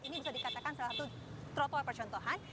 ini bisa dikatakan salah satu trotoar percontohan